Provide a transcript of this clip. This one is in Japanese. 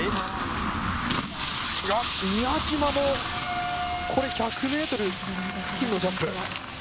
宮嶋も、これ１００ｍ付近のジャンプ。